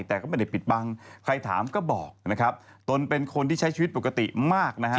แต่ก็ไม่ได้ปิดบังใครถามก็บอกนะครับตนเป็นคนที่ใช้ชีวิตปกติมากนะฮะ